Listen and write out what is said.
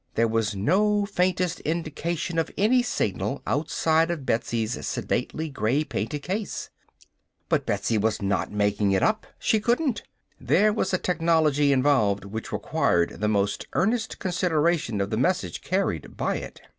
There was no faintest indication of any signal outside of Betsy's sedately gray painted case. But Betsy was not making it up. She couldn't. There was a technology involved which required the most earnest consideration of the message carried by it.